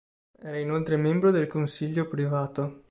Era inoltre membro del Consiglio Privato.